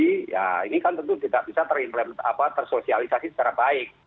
nah ini kan tentu tidak bisa tersosialisasi secara baik